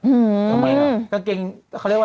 อืม